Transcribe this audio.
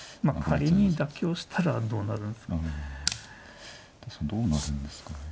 まあ仮に妥協したらどうなるんですか。